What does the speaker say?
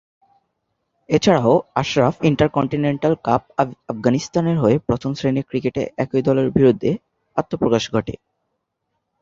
এছাড়াও, Ashraf Intercontinental Cup আফগানিস্তানের হয়ে প্রথম শ্রেনীর ক্রিকেটে একই দলের বিরুদ্ধে আত্মপ্রকাশ ঘটে।